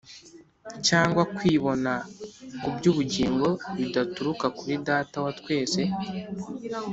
cyangwa kwibona ku by’ubugingo bidaturuka kuri Data wa twese